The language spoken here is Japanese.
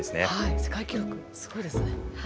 世界記録すごいですね。